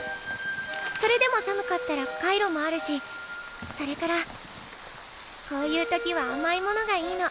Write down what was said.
それでも寒かったらカイロもあるしそれからこういう時はあまいものがいいの。